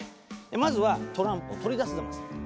まずはトランプを取り出すザマス。